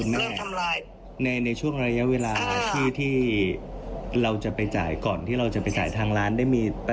ไม่ได้ยากคุยไม่อยากอะไรกับเดชาแล้ว